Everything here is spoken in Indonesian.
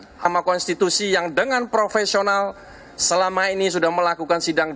mahkamah konstitusi yang dengan profesional selama ini sudah melakukan sidang